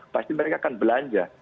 pasti mereka akan belanja